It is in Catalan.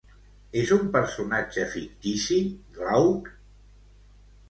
És un personatge fictici, Glauc?